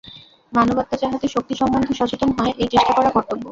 মানবাত্মা যাহাতে শক্তি সম্বন্ধে সচেতন হয়, এই চেষ্টা করা কর্তব্য।